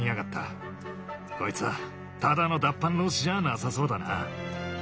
こいつただの脱藩浪士じゃなさそうだな。